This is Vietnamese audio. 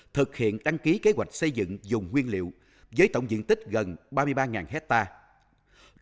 thực hiện đăng ký kế hoạch xây dựng dùng nguyên liệu với tổng diện tích gần ba mươi ba hectare